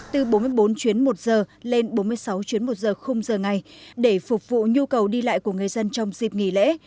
từ bốn mươi bốn chuyến một giờ lên bốn mươi sáu chuyến một giờ khung giờ ngày để phục vụ nhu cầu đi lại của người dân trong dịp nghỉ lễ